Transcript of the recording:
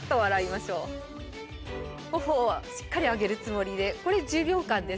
頬をしっかり上げるつもりでこれ１０秒間です。